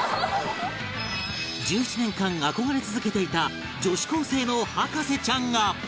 １７年間憧れ続けていた女子高生の博士ちゃんが